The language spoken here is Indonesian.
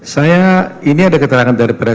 saya ini ada keterangan daripada